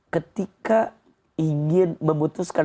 ketika ingin memutuskan